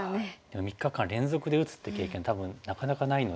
３日間連続で打つっていう経験多分なかなかないので。